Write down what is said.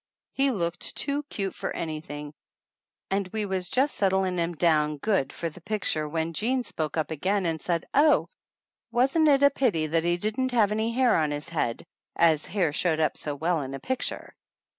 He looked too cute for anything and we was 188 THE ANNALS OF ANN just settling him down good for the picture when Jean spoke up again and said oh, wasn't it a pity that he didn't have any hair on his head, as hair showed up so well in a picture.